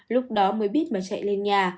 lúc đó mới biết mà chạy lên nhà